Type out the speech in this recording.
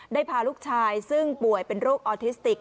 ได้พาลูกชายซึ่งป่วยเป็นโรคออทิสติก